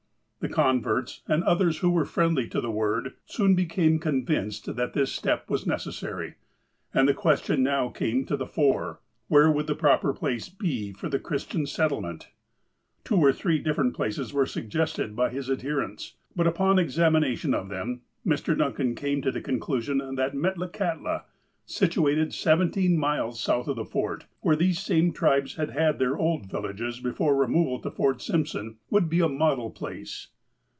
The converts, and others who were friendly to the Word, soon became convinced that this step was neces sary, and the question now came to the fore, — where would the proper place be for the Christian settlement? Two or three different places were suggested by his adher ents, but, upon examination of them, Mr. Duncan came to the conclusion that Metlakahtla,' situate seventeen miles south of the Fort, where these same tribes had had their old villages, before removal to Fort Simpson, would be a model place.